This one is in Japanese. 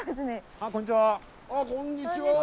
あっこんにちは。